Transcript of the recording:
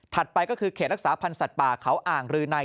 ไปก็คือเขตรักษาพันธ์สัตว์ป่าเขาอ่างรืนัย